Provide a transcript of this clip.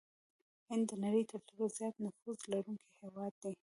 هند د نړۍ ترټولو زيات نفوس لرونکي هېواد دي.